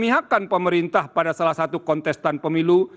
pihakkan pemerintah pada salah satu kontestan pemilu